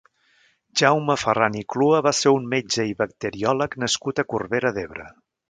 Jaume Ferran i Clua va ser un metge i bacteriòleg nascut a Corbera d'Ebre.